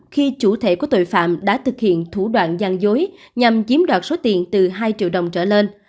khi chủ thể của tội phạm đã thực hiện thủ đoạn gian dối nhằm chiếm đoạt số tiền từ hai triệu đồng trở lên